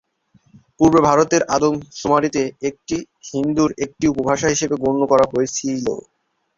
পূর্বে ভারতের আদমশুমারিতে এটিকে হিন্দির একটি উপভাষা হিসেবে গণ্য করা হয়েছিল।